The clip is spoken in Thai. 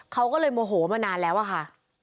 เขาก็เลยโมโหมานานแล้วอะค่ะ